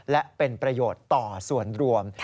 และเป็นประโยชน์ต่อส่วนรวม